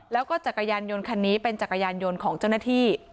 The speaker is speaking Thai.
แล้วก็จักรยานยนต์คันนี้เป็นจักรยานยนต์ของเจ้าหน้าที่